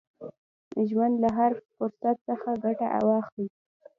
ژوند کې له هر فرصت څخه ګټه واخلئ.